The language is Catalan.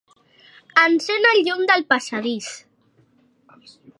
Encén el llum del passadís.